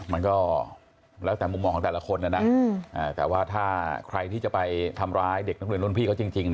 มันก็แล้วแต่มุมมองของแต่ละคนนะนะแต่ว่าถ้าใครที่จะไปทำร้ายเด็กนักเรียนรุ่นพี่เขาจริง